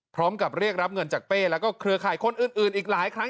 พร้อมกับเรียกรับเงินจากเป้แล้วก็เครือข่ายคนอื่นอีกหลายครั้ง